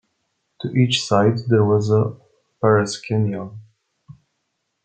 To each side there was a "paraskenion".